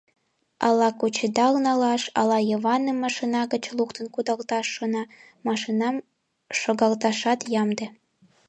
Ала кучедал налаш, ала Йываным машина гыч луктын кудалташ шона, машинам шогалташат ямде.